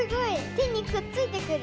てにくっついてくる。